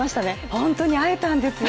本当に会えたんですよ。